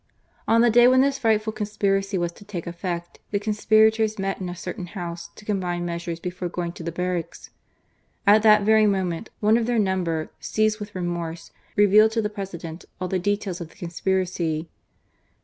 On the day when this frightful conspiracy was to take effect, the conspirators met in a certain house to combine measures before going to the barracks. At that very moment one of their number, seized with remorse, revealed to the President all the details . of the conspiracy.